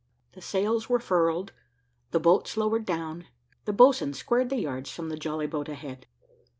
The sails were furled, the boats lowered down, the boatswain squared the yards from the jolly boat ahead.